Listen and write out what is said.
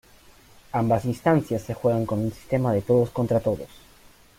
Ambas instancias se juegan con un sistema de todos-contra-todos.